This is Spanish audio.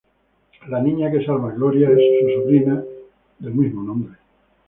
La niña que "salva" a Gloria es su sobrina, del mismo nombre.